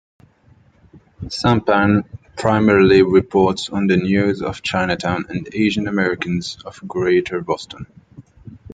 "Sampan" primarily reports on the news of Chinatown and Asian Americans of Greater Boston.